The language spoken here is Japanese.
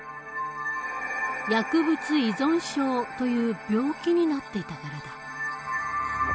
薬物依存症という病気になっていたからだ。